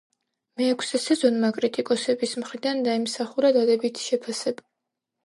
მეექვსე სეზონმა კრიტიკოსების მხრიდან დაიმსახურა დადებითი შეფასება.